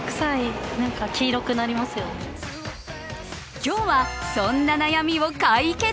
今日は、そんな悩みを解決。